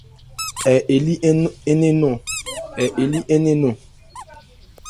Ɛ li nnɛn nɔn ?